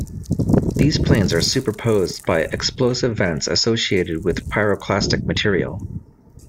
These plains are superposed by explosive vents associated with pyroclastic material.